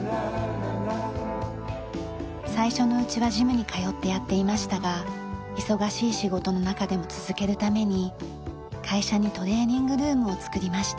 最初のうちはジムに通ってやっていましたが忙しい仕事の中でも続けるために会社にトレーニングルームを作りました。